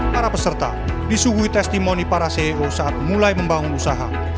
para peserta disuguhi testimoni para ceo saat mulai membangun usaha